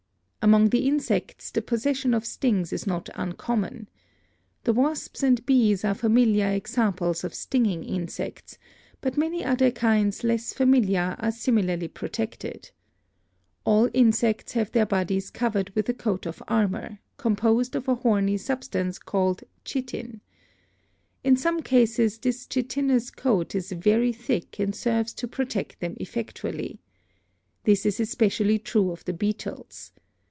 Among the insects the possession of stings is not un common. The wasps and bees are familiar examples of stinging insects, but many other kinds less familiar are similarly protected. All insects have their bodies covered with a coat of armor, composed of a horny substance called chitin. In some cases this chitinous coat is very thick and serves to protect them effectually. This is espe cially true of the beetles.